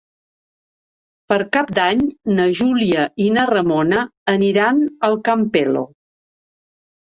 Per Cap d'Any na Júlia i na Ramona aniran al Campello.